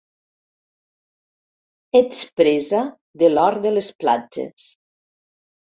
Ets presa de l'or de les platges.